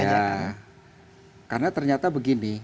ya karena ternyata begini